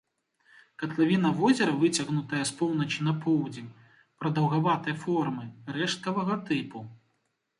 Катлавіна возера выцягнутая з поўначы на поўдзень, прадаўгаватай формы, рэшткавага тыпу.